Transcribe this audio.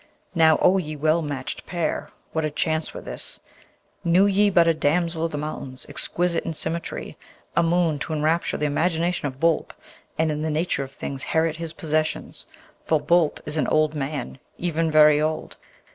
Now, O ye well matched pair! what a chance were this, knew ye but a damsel of the mountains, exquisite in symmetry, a moon to enrapture the imagination of Boolp, and in the nature of things herit his possessions! for Boolp is an old man, even very old.'